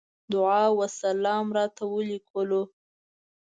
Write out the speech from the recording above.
دعا وسلام راته وليکلو.